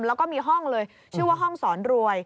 แล้วก็มีห้องเลยชื่อว่าห้องสอนรวย